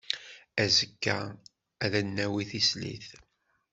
Azekka, ad d-nawi tislit.